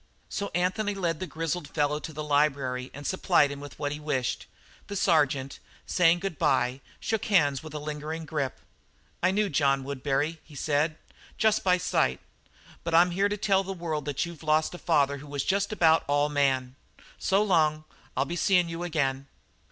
So Anthony led the grizzled fellow to the library and supplied him with what he wished. The sergeant, saying good bye, shook hands with a lingering grip. "I knew John Woodbury," he said, "just by sight, but I'm here to tell the world that you've lost a father who was just about all man. So long; I'll be seein' you again."